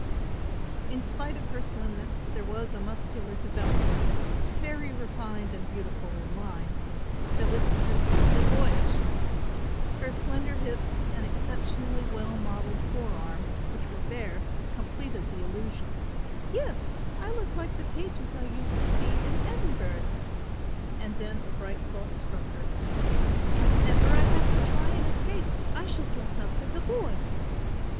In spite of her slimness there was a muscular development, very refined and beautiful in line, that was distinctly boyish. Her slender hips and exceptionally well modelled forearms, which were bare, completed the illusion. "Yes, I look like the pages I used to see in Edinburgh"; and then a bright thought struck her; "If ever I have to try and escape I shall dress up as a boy."